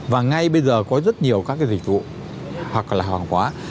và ngay bây giờ có rất nhiều các cái dịch vụ hoặc là hàng hóa